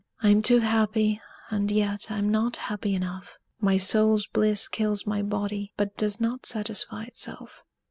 I'm too happy, and yet I'm not happy enough. My soul's bliss kills my body, but does not satisfy itself."